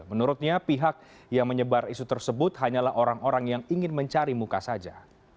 menurutnya pihak yang menyebar isu tersebut hanyalah orang orang yang ingin mencari muka saja